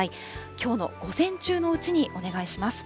きょうの午前中のうちにお願いします。